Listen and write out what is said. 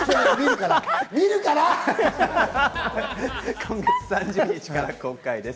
今月３０日から公開です。